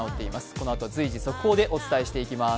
このあと随時速報でお伝えしていきます。